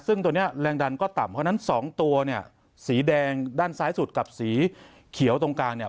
ซึ่งตัวนี้แรงดันก็ต่ำเพราะฉะนั้น๒ตัวเนี่ยสีแดงด้านซ้ายสุดกับสีเขียวตรงกลางเนี่ย